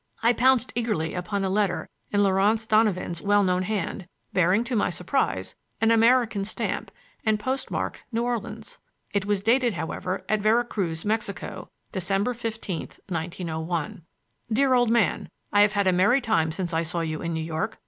I pounced eagerly upon a letter in Laurance Donovan's well known hand, bearing, to my surprise, an American stamp and postmarked New Orleans. It was dated, however, at Vera Cruz, Mexico, December fifteenth, 1901. DEAR OLD MAN: I have had a merry time since I saw you in New York.